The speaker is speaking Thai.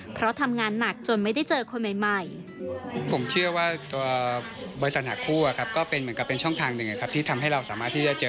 เพราะทำงานหนักจนไม่ได้เจอคนใหม่